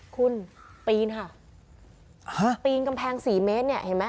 คุณปีนค่ะปีนกำแพงสี่เมตรเนี่ยเห็นไหม